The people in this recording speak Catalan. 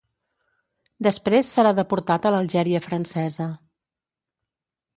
Després serà deportat a l'Algèria francesa.